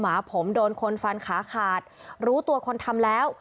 หมาผมโดนคนฟันขาขาดรู้ตัวคนทำแล้ว